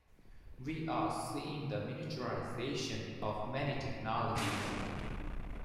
We are seeing the miniaturization of many technologies.